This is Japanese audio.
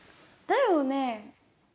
だよね。